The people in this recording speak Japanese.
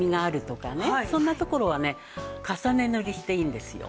そんなところはね重ね塗りしていいんですよ。